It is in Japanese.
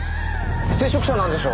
聖職者なんでしょ？